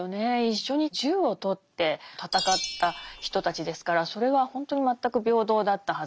一緒に銃をとって戦った人たちですからそれはほんとに全く平等だったはずなんですよね。